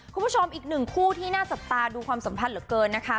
คุณผู้ชมอีกหนึ่งคู่ที่น่าจับตาดูความสัมพันธ์เหลือเกินนะคะ